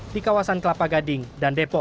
di kawasan kelapa gading dan depok